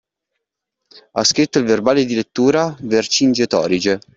Ha scritto il verbale di lettura, Vercingetorige?